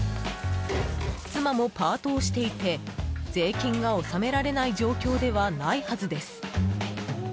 妻もパートをしていて税金が納められない状況ではないはずです。